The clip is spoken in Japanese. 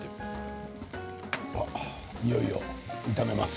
いよいよ炒めます。